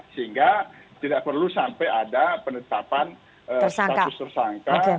sehingga tidak perlu sampai ada penetapan status tersangka